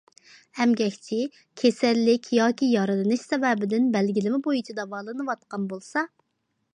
ئەمگەكچى كېسەللىك ياكى يارىلىنىش سەۋەبىدىن بەلگىلىمە بويىچە داۋالىنىۋاتقان بولسا.